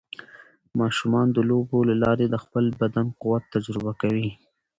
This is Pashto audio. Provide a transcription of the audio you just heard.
ماشومان د لوبو له لارې د خپل بدن قوت تجربه کوي.